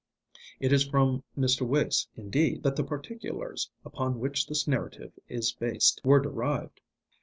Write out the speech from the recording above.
It is from Mr. Wace, indeed, that the particulars upon which this narrative is based were derived.